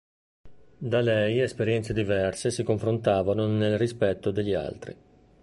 Da lei esperienze diverse si confrontavano nel rispetto degli altri.